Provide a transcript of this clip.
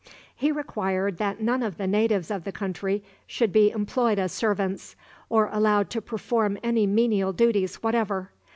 He required that none of the natives of the country should be employed as servants, or allowed to perform any menial duties whatever.